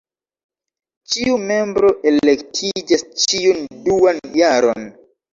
Ĉiu membro elektiĝas ĉiun duan jaron.